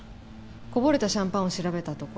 こぼれたシャンパンを調べたところ